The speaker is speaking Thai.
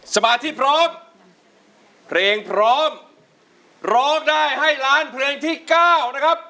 สมาธิพร้อมเพลงพร้อมร้องได้ให้ล้านเพลงที่๙นะครับ